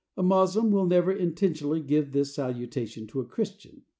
A Moslem will never intentionally give this salutation to a Christian.